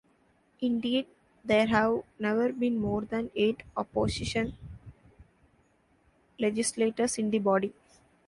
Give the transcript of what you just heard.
Indeed, there have never been more than eight opposition legislators in the body.